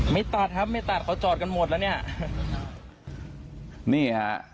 ไม่ตัดครับไม่ตัดเขาจอดกันหมดละเนี่ย